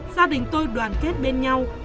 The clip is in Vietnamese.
gia đình tôi đoàn kết bên nhau